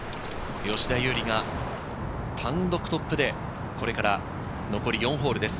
吉田優利が単独トップでこれから残り４ホールです。